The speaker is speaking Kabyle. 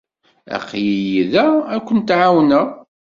Aql-iyi da akken ad kent-ɛawneɣ.